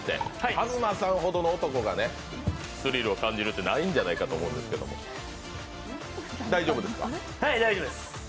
ＫＡＺＭＡさんほどの男がスリルを感じるってないんじゃないかと思うんですが大丈夫です。